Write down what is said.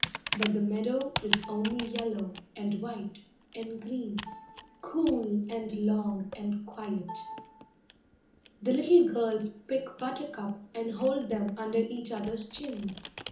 But the meadow is only yellow, and white, and green, Cool, and long, and quiet. The little girls pick buttercups And hold them under each other's chins.